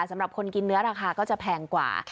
สำหรับคนกินเนื้อราคาก็จะแพงกว่า